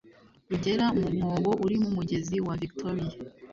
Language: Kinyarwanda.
rugera mu mwobo urimo umugezi wa victoria